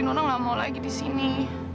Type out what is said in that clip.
nono nggak mau lagi di sini